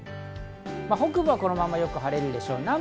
北部はこのままよく晴れるでしょう。